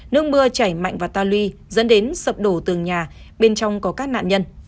nước mưa chảy mạnh và ta lui dẫn đến sập đổ tường nhà bên trong có các nạn nhân